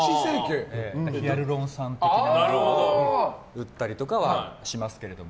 ヒアルロン酸を打ったりとかはしますけども。